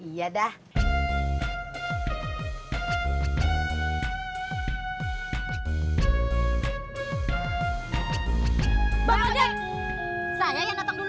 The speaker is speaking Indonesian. iya dah saya ngomong duluan masya allah udah udah jangan ribut satu satu atuh yang lebih deket dulu